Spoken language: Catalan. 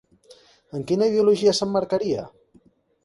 En quina ideologia s'emmarcaria?